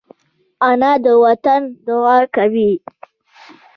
انا د وطن دعا کوي